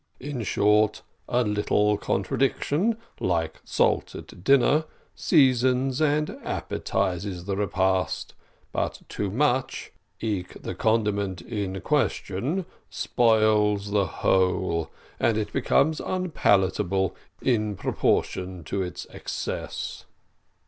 In short, a little contradiction, like salt at dinner, seasons and appetises the repast; but too much, like the condiment in question, spoils the whole, and it becomes unpalatable in proportion to its excess.